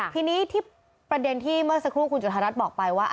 ทีนี้ที่ประเด็นที่เมื่อสักครู่คุณจุธารัฐบอกไปว่า